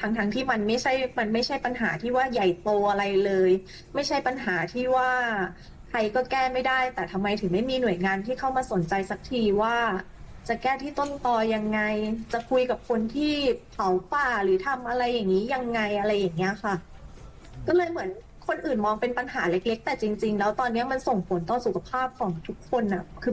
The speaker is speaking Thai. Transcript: ทั้งทั้งที่มันไม่ใช่มันไม่ใช่ปัญหาที่ว่าใหญ่โตอะไรเลยไม่ใช่ปัญหาที่ว่าใครก็แก้ไม่ได้แต่ทำไมถึงไม่มีหน่วยงานที่เข้ามาสนใจสักทีว่าจะแก้ที่ต้นต่อยังไงจะคุยกับคนที่เผาป่าหรือทำอะไรอย่างนี้ยังไงอะไรอย่างเงี้ยค่ะก็เลยเหมือนคนอื่นมองเป็นปัญหาเล็กเล็กแต่จริงจริงแล้วตอนเนี้ยมันส่งผลต่อสุขภาพของทุกคนอ่ะคือ